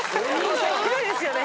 ひどいですよね。